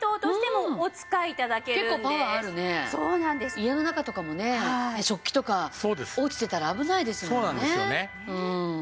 家の中とかもね食器とか落ちてたら危ないですもんね。